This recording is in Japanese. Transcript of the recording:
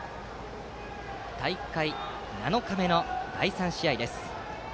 大会７日目の第３試合です。